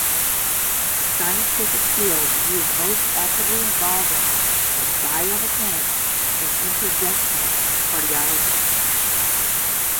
The scientific fields he is most actively involved in are biomechanics and interventional cardiology.